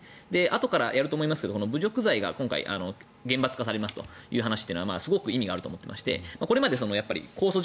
あとからやると思いますが侮辱罪が今回厳罰化されるというのはすごく意味があると思っていてこれまで公訴